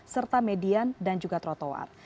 serta median dan juga trotoar